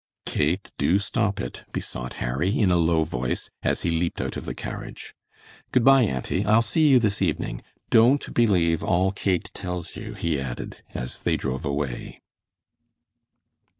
"Kate, do stop it," besought Harry, in a low voice, as he leaped out of the carriage. "Good by, auntie, I'll see you this evening. Don't believe all Kate tells you," he added, as they drove away.